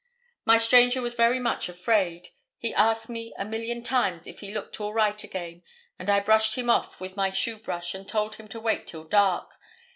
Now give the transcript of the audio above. My stranger was very much afraid. He asked me a million times if he looked all right again, and I brushed him off with my shoe brush and told him to wait till dark.